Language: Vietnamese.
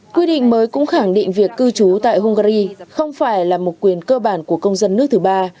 quy định mới cũng khẳng định việc cư trú tại hungary không phải là một quyền cơ bản của công dân nước thứ ba